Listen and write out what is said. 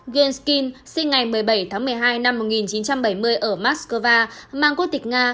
ghenskyn sinh ngày một mươi bảy tháng một mươi hai năm một nghìn chín trăm bảy mươi ở moscow mang quốc tịch nga